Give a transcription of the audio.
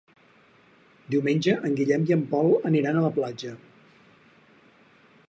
Diumenge en Guillem i en Pol aniran a la platja.